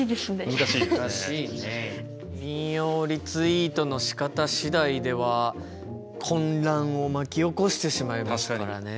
引用リツイートのしかた次第では混乱を巻き起こしてしまいますからね。